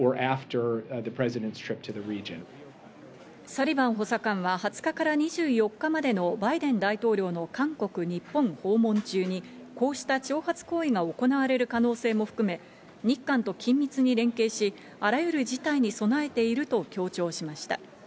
サリバン補佐官は２０日から２４日までのバイデン大統領の韓国・日本訪問中にこうした挑発行為が行われる可能性も含め日韓と緊密に連携し、あらゆる事態に備えていると強調しました。